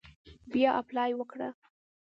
بیا اپلای وکړه.